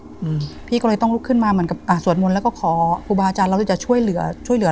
อืมพี่ก็เลยต้องลุกขึ้นมาเหมือนกับอ่าสวดมนต์แล้วก็ขอครูบาอาจารย์เราจะช่วยเหลือช่วยเหลือ